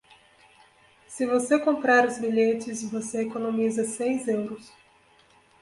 Se você comprar os bilhetes você economiza seis euros.